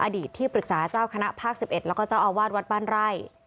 อธิษฐ์ที่ปรึกษาขณะภาค๑๑หรอก็เจ้าอวาดวัดบ้านไร่